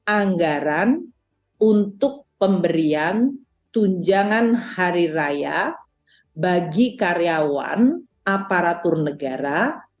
anggaran untuk pemberian tunjangan hari raya bagi karyawan aparatur negara